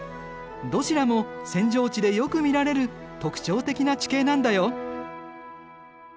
どちらも扇状地でよく見られる特徴的な地形なんだよ。